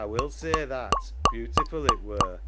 A will say that, beautiful it were.